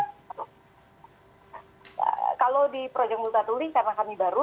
ya kalau di proyek multatuli karena kami baru